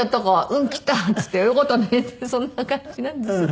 「うん。切った」って言って「よかったね」ってそんな感じなんですよ。